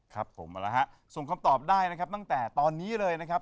ครับผมเอาละฮะส่งคำตอบได้นะครับตั้งแต่ตอนนี้เลยนะครับ